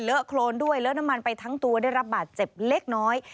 โครนด้วยเลอะน้ำมันไปทั้งตัวได้รับบาดเจ็บเล็กน้อย